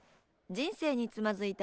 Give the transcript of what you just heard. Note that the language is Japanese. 人生につまずいた。